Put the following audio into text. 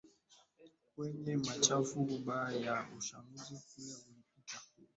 kwenye machafuko baada ya uchaguzi mkuu uliopita